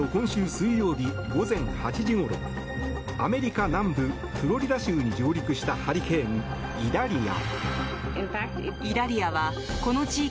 水曜日、午前８時ごろアメリカ南部フロリダ州に上陸したハリケーン、イダリア。